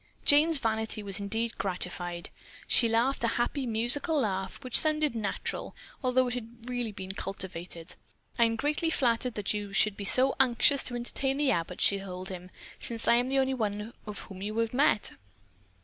Jane's vanity was indeed gratified. She laughed a happy musical laugh which sounded natural, although it had really been cultivated. "I am greatly flattered that you should be so anxious to entertain the Abbotts," she told him, "since I am the only one of us whom you have met."